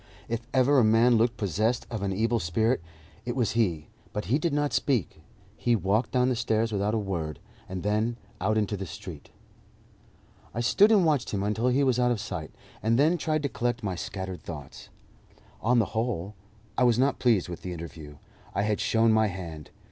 If ever a man looked possessed of an evil spirit, it was he; but he did not speak. He walked down the stairs without a word, and then out into the street. I stood and watched him until he was out of sight, and then tried to collect my scattered thoughts. On the whole, I was not pleased with the interview. I had shown my hand.